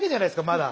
まだ。